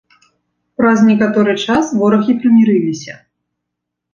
Праз некаторы час ворагі прымірыліся.